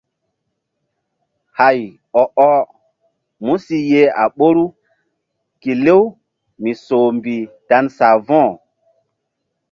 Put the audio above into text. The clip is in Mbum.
Hay ɔ-ɔh mu si yeh a ɓoru kelew mi soh mbih dan savo̧h.